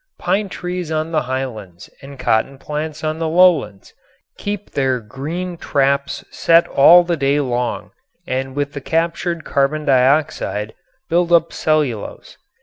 Pine trees on the highlands and cotton plants on the lowlands keep their green traps set all the day long and with the captured carbon dioxide build up cellulose.